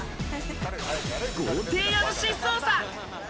豪邸家主捜査！